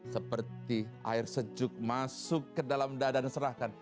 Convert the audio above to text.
seperti air sejuk masuk ke dalam dada dan serahkan